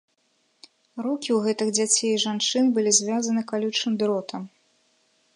Рукі ў гэтых дзяцей і жанчын былі звязаны калючым дротам.